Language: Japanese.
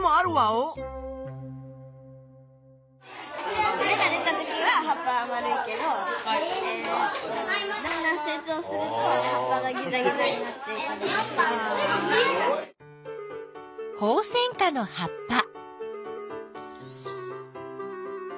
ホウセンカの葉っぱ。